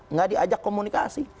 nggak diajak komunikasi